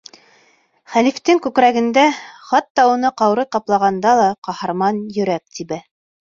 Хәлифтең күкрәгендә, хатта уны ҡаурый ҡаплағанда ла, ҡаһарман йөрәк тибә.